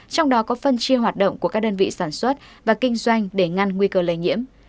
trong đó có phân chia hoạt động của các đơn vị sản xuất và kinh doanh để ngăn nguy cơ lây nhiễm